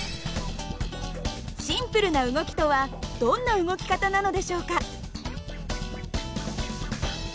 シンプルな動きとはどんな動き方なのでしょうか。